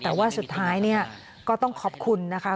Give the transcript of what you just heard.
แต่ว่าสุดท้ายเนี่ยก็ต้องขอบคุณนะคะ